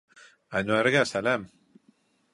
Әнүәргә сәләм